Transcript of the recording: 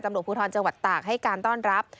ตำรวจภูทรจังหวัดตากให้การต้อนรับ